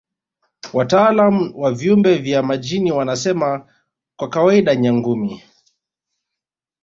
Wataalamu wa viumbe vya majini wanasema kwa kawaida Nyangumi